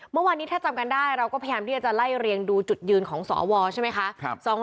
เมื่อวานนี้ถ้าจำกันได้เราก็พยายามที่จะไล่เรียงดูจุดยืนของสวใช่ไหมคะ